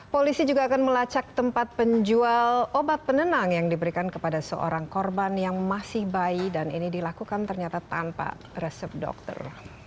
polisi juga akan melacak tempat penjual obat penenang yang diberikan kepada seorang korban yang masih bayi dan ini dilakukan ternyata tanpa resep dokter